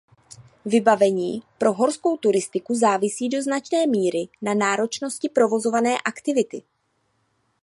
Vybavení pro horskou turistiku závisí do značné míry na náročnosti provozované aktivity.